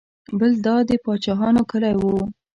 بل دا د پاچاهانو کلی و.